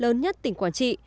lớn nhất tỉnh quảng trị